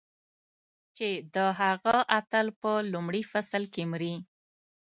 چې د هغه اتل په لومړي فصل کې مري.